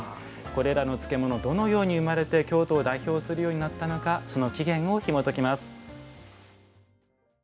これらの漬物どのように生まれて京都を代表するようになったのかその起源をひもときます。